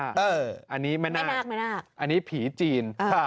อันนี้ไม่น่าอันนี้ผีจีน